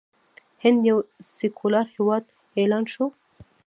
هند یو سیکولر هیواد اعلان شو.